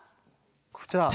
こちら。